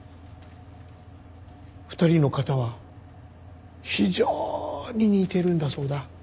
２人の型は非常に似ているんだそうだ。